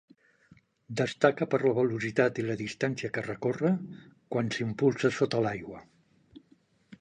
Destaca per la velocitat i la distància que recorre quan s'impulsa sota l'aigua.